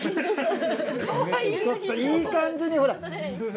ちょっといい感じにほら。